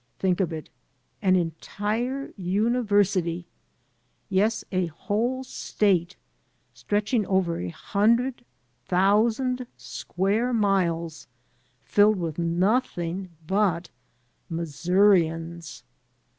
Think of it, an entire university, yes, a whole State, stretching over a himdred thousand square miles, filled with nothing but Missourians!